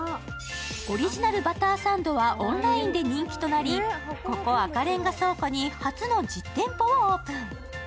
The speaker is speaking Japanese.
オリジナルバターサンドはオンラインで人気となり、ここ赤レンガ倉庫に初の実店舗をオープン。